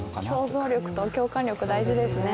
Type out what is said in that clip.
共存力と共感力、大事ですね。